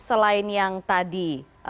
selain yang tadi